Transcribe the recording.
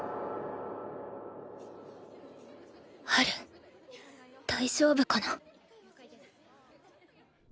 ハル大丈夫かな？